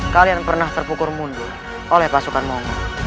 kalian pernah terpukul mundur oleh pasukan momo